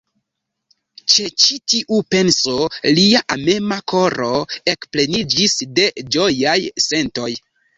Ĉe ĉi tiu penso lia amema koro ekpleniĝis de ĝojaj sentoj.